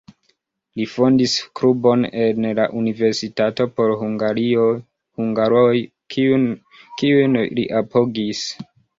Li fondis klubon en la universitato por hungaroj, kiujn li apogis.